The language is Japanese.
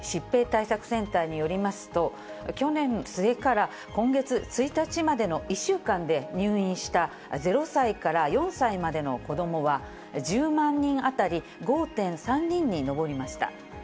去年末から今月１日までの１週間で入院した０歳から４歳までの子どもは、１０万人当たり５．３人に上りました。